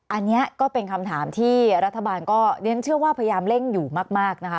อันนี้ก็เป็นคำถามที่รัฐบาลก็เรียนเชื่อว่าพยายามเร่งอยู่มากนะคะ